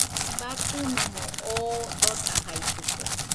Batɨnomo oo dotajaitɨkue.